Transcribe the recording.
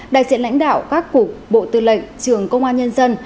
đại diện lãnh đạo các cục bộ tư lệnh trường công an nhân dân